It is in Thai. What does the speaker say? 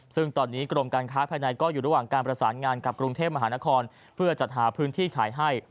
ซึ่งตอนนี้กรมการค้าภายในก็อยู่ระหว่างการประสานงานกับกรุงเทพมหานครเพื่อจัดหาพื้นที่ขายให้